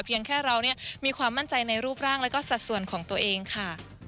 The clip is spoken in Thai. แค่เรามีความมั่นใจในรูปร่างแล้วก็สัดส่วนของตัวเองค่ะ